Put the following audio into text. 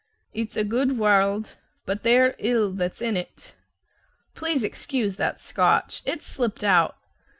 "It's a gude warld, but they're ill that's in 't." Please excuse that Scotch it slipped out.